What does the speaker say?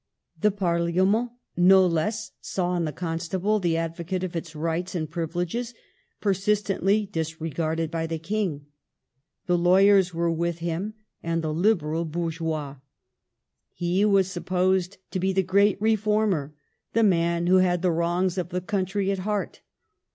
The Parliament, no less, saw in the Constable the advocate of its rights and privileges, persistently disregarded by the King. The lawyers were with him, and the Liberal bourgeois. He was supposed to be the great reformer, the man who had the wrongs of the country at heart.